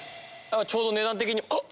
ちょうど値段的にあっ！